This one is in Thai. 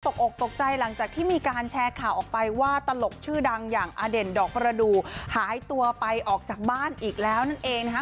ตกอกตกใจหลังจากที่มีการแชร์ข่าวออกไปว่าตลกชื่อดังอย่างอเด่นดอกประดูกหายตัวไปออกจากบ้านอีกแล้วนั่นเองนะคะ